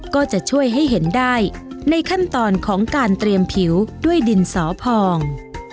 ก็จะช่วยให้เห็นได้ในขั้นตอนของการเตรียมผิวด้วยดินสอพอง